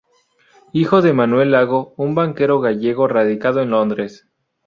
Hijo de Manuel Lago, un banquero gallego radicado en Londres.